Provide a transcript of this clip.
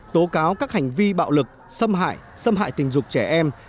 tố cáo các hành vi bạo lực xâm hại xâm hại tình dục trẻ em